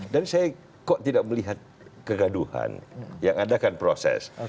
dan saya kok tidak melihat kegaduhan yang adakan proses